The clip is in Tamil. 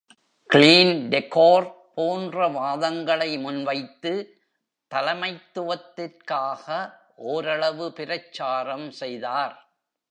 க்ளீன் டெக்கோர் போன்ற வாதங்களை முன்வைத்து தலைமைத்துவத்திற்காக ஓரளவு பிரச்சாரம் செய்தார்.